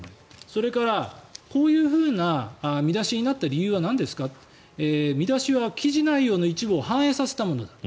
それから、こういう見出しになった理由はなんですかと。見出しは記事内容の一部を反映させたものだと。